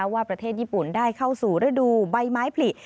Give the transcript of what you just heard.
ว่าประเทศญี่ปุ่นได้เข้าสู่ฤดูใบไม้ผลิ